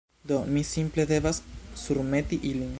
Do, mi simple devas surmeti ilin